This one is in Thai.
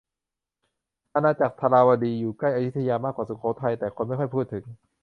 อาณาจักรทวาราวดี อยู่ใกล้อยุธยามากกว่าสุโขทัย แต่คนไม่ค่อยพูดถึง